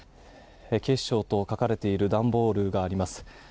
警視庁と書かれている段ボールがあります。